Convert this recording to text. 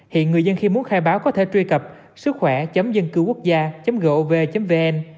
hiện người dân khi muốn khai báo có thể truy cập sứu khỏe dân cưu quốc gia gov vn